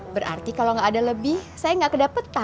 berarti kalau gak ada lebih saya gak kedapetan ya